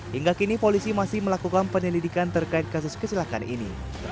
hingga kini polisi masih melakukan penyelidikan terkait kasus kecelakaan ini